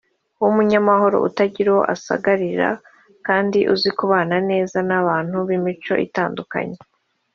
w’umunyamahoro utagira uwo asagarira kandi uzi kubana neza n’abantu b’imico itandukanye